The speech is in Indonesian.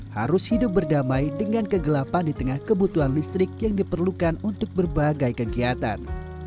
harus hidup berdamai dengan kegelapan di tengah kebutuhan listrik yang diperlukan untuk berbagai kegiatan